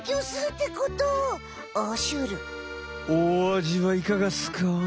おあじはいかがっすか？